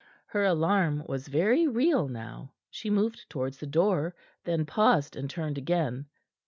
Her alarm was very real now. She moved towards the door, then paused, and turned again.